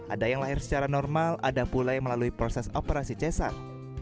ada yang lahir secara normal ada pula yang melalui proses operasi cesar